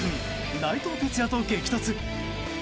内藤哲也と激突！